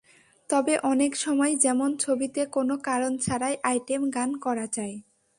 তবে অনেক সময় যেমন ছবিতে কোনো কারণ ছাড়াই আইটেম গান করা হয়।